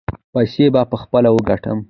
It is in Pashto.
پیسې به پخپله ګټم.